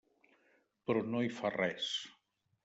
Però no hi fa res.